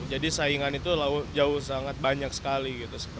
jadi saingan itu jauh sangat banyak sekali